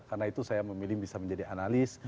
karena itu saya memilih bisa menjadi analis